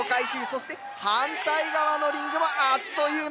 そして反対側のリングもあっという間です。